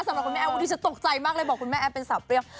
สำหรับคุณแม่แอฟคุณที่ฉันตกใจมากเลยบอกคุณแม่แอฟเป็นสาวเปรี้ยว